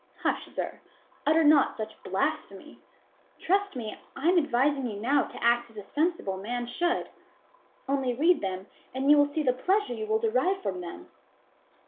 Hush, sir; utter not such blasphemy; trust me I am advising you now to act as a sensible man should; only read them, and you will see the pleasure you will derive from them.